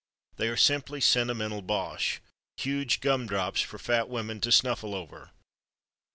They are simply sentimental bosh—huge gum drops for fat women to snuffle over.